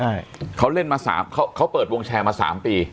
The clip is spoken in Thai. ใช่เขาเล่นมา๓เขาเปิดวงแชร์มา๓ปี